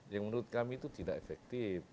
yang menurut kami itu tidak efektif